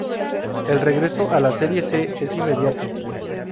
El regreso a la Serie C es inmediato.